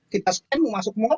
kita scan masuk mall